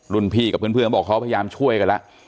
พี่กับเพื่อนเขาบอกเขาพยายามช่วยกันแล้ว